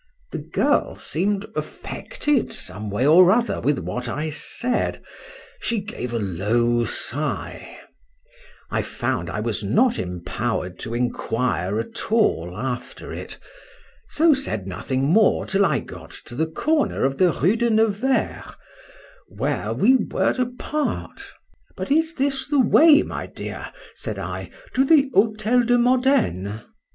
The girl seem'd affected some way or other with what I said;—she gave a low sigh:—I found I was not empowered to enquire at all after it,—so said nothing more till I got to the corner of the Rue de Nevers, where, we were to part. —But is this the way, my dear, said I, to the Hotel de Modene?